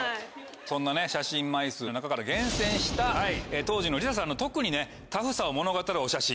そんな写真枚数の中から厳選した当時のリサさんの特にタフさを物語るお写真。